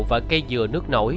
và cây dừa nước nổi